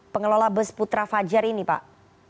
pengelola bus putra fajar ini pak